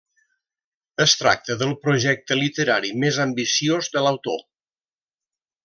Es tracta del projecte literari més ambiciós de l'autor.